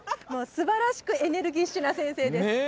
すばらしくエネルギッシュな先生です。